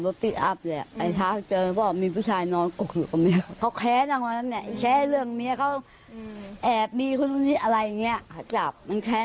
เมียเขาว่าเอาผู้ชายมาตั้งบัตรวันนั้นเขาไป